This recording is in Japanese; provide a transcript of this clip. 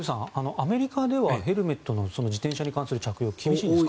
アメリカではヘルメットの自転車に関する着用厳しいんですか？